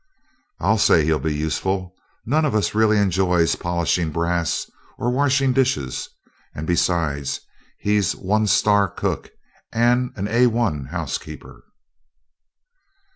"I'll say he'll be useful. None of us really enjoys polishing brass or washing dishes and besides, he's one star cook and an A 1 housekeeper."